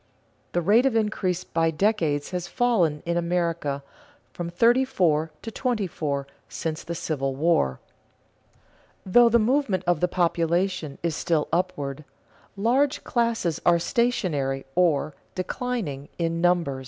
The rate of increase by decades has fallen in America from thirty three to twenty four since the Civil War. Though the movement of the population is still upward, large classes are stationary or declining in numbers.